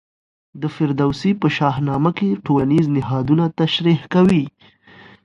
د فردوسي په شاه نامه کې ټولنیز نهادونه تشریح کوي.